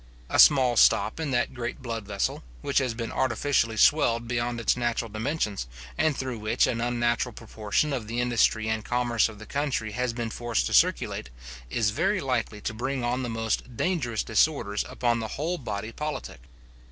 A small stop in that great blood vessel, which has been artificially swelled beyond its natural dimensions, and through which an unnatural proportion of the industry and commerce of the country has been forced to circulate, is very likely to bring on the most dangerous disorders upon the whole body politic.